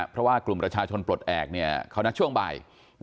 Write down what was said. เพราะว่ากลุ่มประชาชนปลดแอบเขานัดช่วงบ่าย